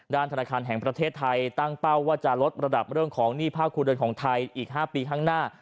ธนาคารแห่งประเทศไทยตั้งเป้าว่าจะลดระดับเรื่องของหนี้ภาคครูเดินของไทยอีก๕ปีข้างหน้า